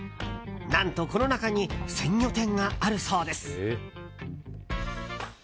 何とこの中に鮮魚店があるそうです。